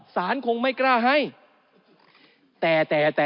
สคงไม่กล้าให้แต่